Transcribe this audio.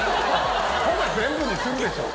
ほな全部にするでしょ！